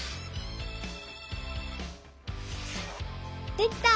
できた！